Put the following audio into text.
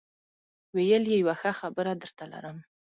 ويې ويل يو ښه خبرم درته لرم.